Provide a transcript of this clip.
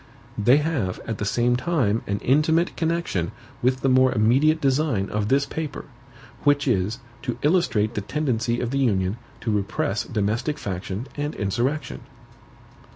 They have, at the same time, an intimate connection with the more immediate design of this paper; which is, to illustrate the tendency of the Union to repress domestic faction and insurrection.